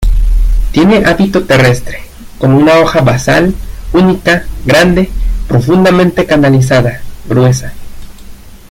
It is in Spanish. Tiene hábito terrestre, con una hoja basal, única, grande, profundamente canalizada, gruesa.